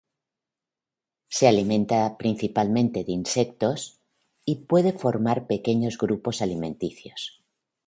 Se alimenta principalmente de insectos y puede formar pequeños grupos alimenticios.